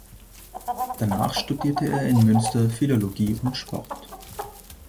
Danach studierte er in Münster Philologie und Sport.